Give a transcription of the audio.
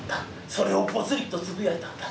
それをポツリとつぶやいたんだ。